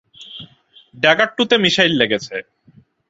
Dagger টু-তে missile লেগেছে।